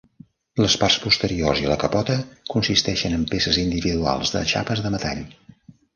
Les parts posteriors i la capota consisteixen en peces individuals de xapes de metall.